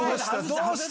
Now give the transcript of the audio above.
どうした？